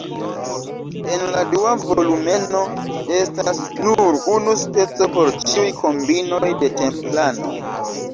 En la dua volumeno estas nur unu speco por ĉiuj kombinoj de templanoj.